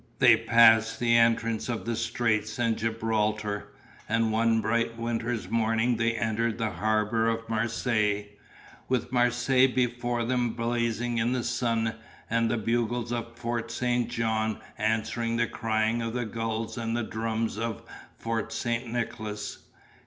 They passed the entrance of the straits and Gibraltar, and one bright blue winter's morning they entered the harbour of Marseilles, with Marseilles before them blazing in the sun and the bugles of Fort St. Jean answering the crying of the gulls and the drums of Fort St. Nicholas.